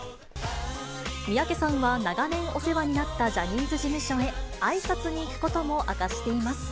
三宅さんは長年お世話になったジャニーズ事務所へ、あいさつに行くことも明かしています。